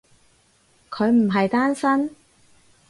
佢唔係單身？